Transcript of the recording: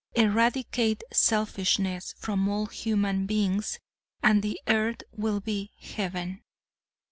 "Eradicate selfishness from all human beings and the earth will be heaven."